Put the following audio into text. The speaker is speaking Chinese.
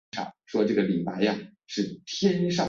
在职毕业于四川省委党校政治学专业。